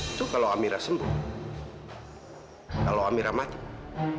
itu kalau amira sembuh kalau amira mati